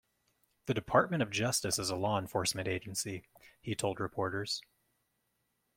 "The Department of Justice is a law enforcement agency," he told reporters.